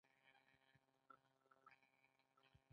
د سرې او وریجو تولید هم شته.